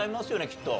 きっと。